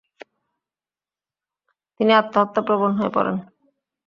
তিনি আত্মহত্যাপ্রবণ হয়ে পড়েন।